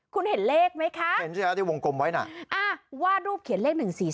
คุณเห็นเลขมั้ยครับวาดรูปเขียนเลข๑๔๓